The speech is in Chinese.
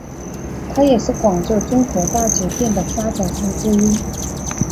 他也是广州中国大酒店的发展商之一。